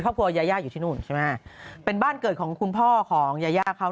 คุณยาย่าอยู่ที่นู่นใช่ไหมเป็นบ้านเกิดของคุณพ่อของยายาเขา